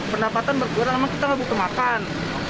pendapatan berkurang memang kita nggak butuh makan